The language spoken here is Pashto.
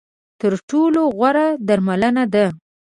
تر ټولو غوره درملنه ده .